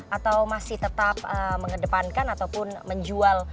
atau masih tetap mengedepankan ataupun menjual